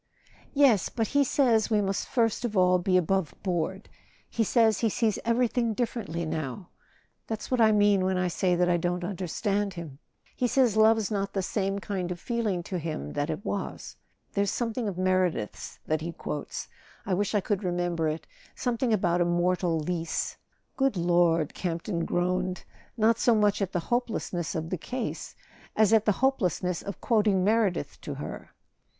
"Yes. But he says we must first of all be above¬ board. He says he sees everything differently now. That's what I mean when I say that I don't under A SON AT THE FRONT stand him. He says love's not the same kind of feeling to him that it was. There's something of Meredith's that he quotes—I wish I could remember it—some¬ thing about a mortal lease." "Good Lord," Campton groaned, not so much at the hopelessness of the case as at the hopelessness of quoting Meredith to her.